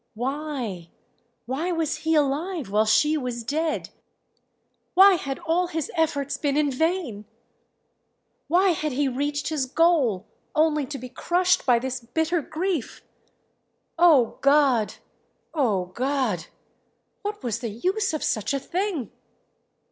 Why, why was he alive while she was dead? Why had all his efforts been in vain? Why had he reached his goal only to be crushed by this bitter grief? O God! O God! What was the use of such a thing?